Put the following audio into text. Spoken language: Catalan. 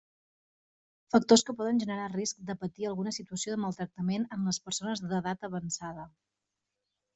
Factors que poden generar risc de patir alguna situació de maltractament en les persones d'edat avançada.